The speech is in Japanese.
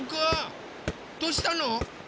どうしたの？